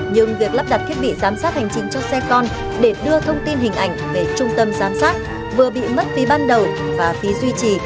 nhưng việc lắp đặt thiết bị giám sát hành trình cho xe con để đưa thông tin hình ảnh về trung tâm giám sát vừa bị mất phí ban đầu và phí duy trì